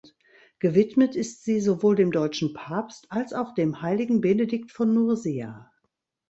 Gewidmet ist sie sowohl dem deutschen Papst als auch dem heiligen Benedikt von Nursia.